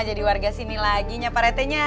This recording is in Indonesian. jadi warga sini lagi pak retenya